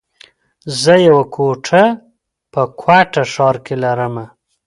زه يوه کوټه په کوټه ښار کي لره مه